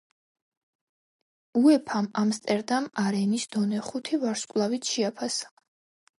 უეფამ ამსტერდამ არენის დონე ხუთი ვარსკვლავით შეაფასა.